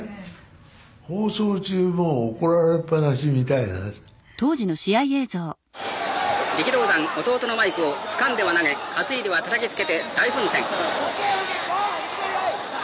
「え？じゃないよ！」とかね力道山弟のマイクをつかんでは投げ担いではたたきつけて大奮戦。